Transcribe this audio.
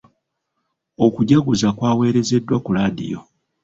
Okujaguza kwaweerezeddwa ku laadiyo.